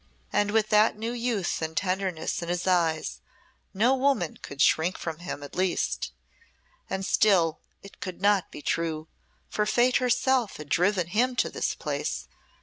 And with that new youth and tenderness in his eyes no woman could shrink from him, at least. And still it could not be true, for Fate herself had driven him to this place Nature and Fate.